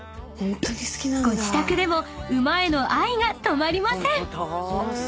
［ご自宅でも馬への愛が止まりません］